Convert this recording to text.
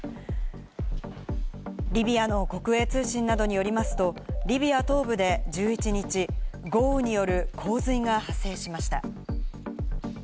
リビアの国営通信などによりますと、リビア東部で１１日、豪雨による洪水が発生しました。